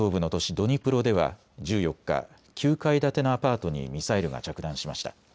ドニプロでは１４日、９階建てのアパートにミサイルが着弾しました。